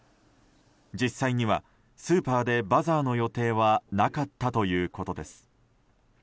実際にはスーパーでバザーの予定はなかったということです。